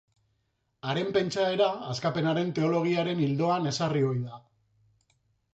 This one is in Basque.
Haren pentsaera Askapenaren Teologiaren ildoan ezarri ohi da.